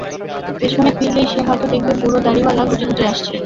পেছেনে ফিরলেই সে হয়তো দেখবে বুড়ো দাড়িঅলা গুটিগুটি আসছে।